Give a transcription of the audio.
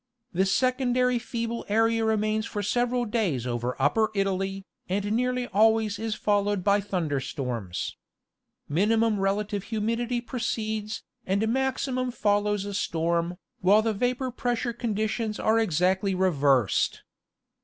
This secondary feeble area remains for several days over upper Italy, and nearly always is followed by thunder storms. Minimum relative humidity precedes, and maximum follows a storm, while the vapor pressure conditions are exactly reversed.